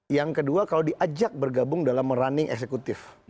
yang kedua kalau diajak bergabung dalam running eksekutif